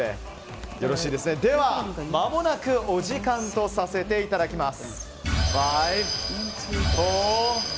では、まもなくお時間とさせていただきます。